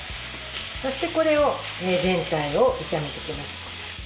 そして、これを全体を炒めていきます。